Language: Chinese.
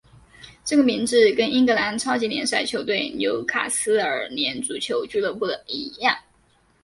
这个名字跟英格兰超级联赛球队纽卡斯尔联足球俱乐部的一样。